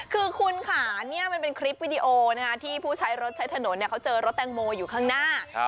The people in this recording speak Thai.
คือคุณค่ะนี่มันเป็นคลิปวิดีโอที่ผู้ใช้รถใช้ถนนเขาเจอรถแตงโมอยู่ข้างหน้า